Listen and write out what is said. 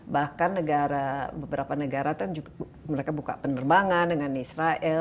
bahkan negara beberapa negara kan mereka buka penerbangan dengan israel